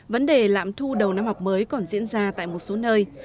vấn đề lạm thu đầu năm học mới còn diễn ra tại một số nơi